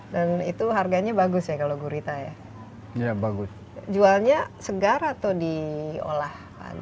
dan itu harganya bagus ya kalau gurita ya ya bagus jualnya segar atau diolah